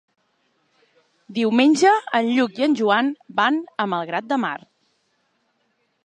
Diumenge en Lluc i en Joan van a Malgrat de Mar.